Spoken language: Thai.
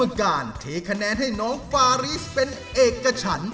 คือการเทคะแนนให้น้องฟาริสเป็นเอกฉัน